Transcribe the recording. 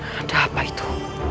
ada apa itu